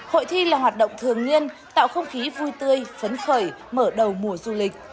hội thi là hoạt động thường niên tạo không khí vui tươi phấn khởi mở đầu mùa du lịch